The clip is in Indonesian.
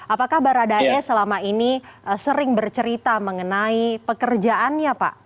apakah baradae selama ini sering bercerita mengenai pekerjaannya pak